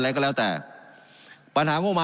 การปรับปรุงทางพื้นฐานสนามบิน